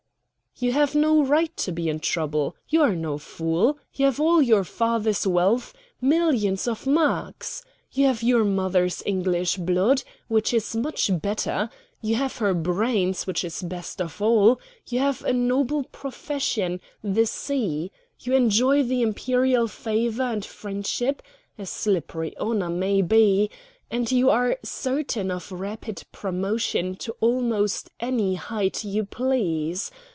"You have no right to be in trouble. You are no fool. You have all your father's wealth millions of marks; you have your mother's English blood which is much better; you have her brains which is best of all; you have a noble profession the sea; you enjoy the Imperial favor and friendship a slippery honor, maybe; and you are certain of rapid promotion to almost any height you please.